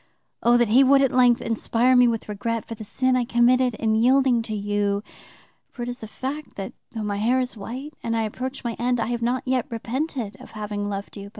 O, that He would at length inspire me with regret for the sin I committed in yielding to you; for it is a fact that, though my hair is white and I approach my end, I have not yet repented of having loved you.